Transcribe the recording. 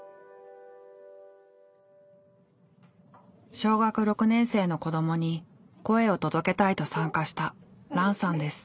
小学６年生の子どもに声を届けたいと参加したランさんです。